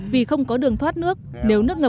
vì không có thể bơm nước ra